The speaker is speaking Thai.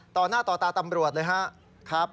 ต่อหน้าต่อตาตำรวจเลยครับ